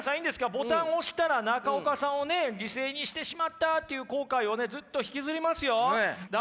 ボタンを押したら中岡さんを犠牲にしてしまったっていう後悔をずっと引きずりますよ？